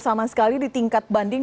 sama sekali di tingkat banding